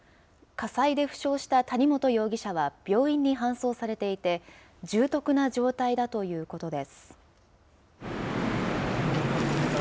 火災で負傷した谷本容疑者は、病院に搬送されていて、重篤な状態だということです。